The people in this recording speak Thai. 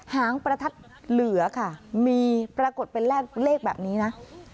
หางประทัดเหลือค่ะมีปรากฏเป็นเลขแบบนี้นะ